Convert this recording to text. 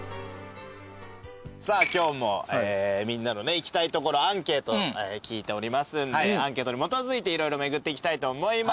さあ今日もみんなの行きたいところアンケート聞いておりますんでアンケートに基づいて色々巡っていきたいと思います。